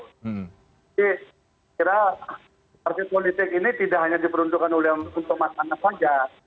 jadi kira partai politik ini tidak hanya diperuntukkan untuk mas anas saja